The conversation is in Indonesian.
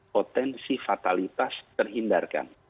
potensi fatalitas terhindarkan